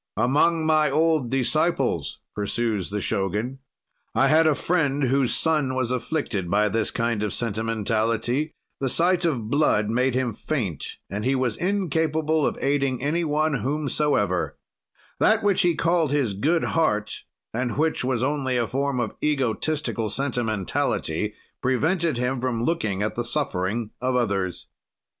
"Among my old disciples," pursues the Shogun, "I had a friend whose son was afflicted by this kind of sentimentality, the sight of blood made him faint and he was incapable of aiding any one whomsoever; that which he called his good heart, and which was only a form of egotistical sentimentality, prevented him from looking at the suffering of others.